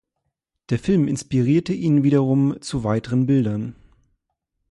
Der Film inspirierte ihn wiederum zu weiteren Bildern.